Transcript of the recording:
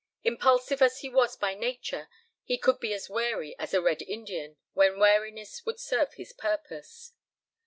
Impulsive as he was by nature he could be as wary as a Red Indian when wariness would serve his purpose.